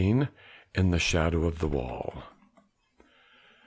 IN THE SHADOW OF THE WALL.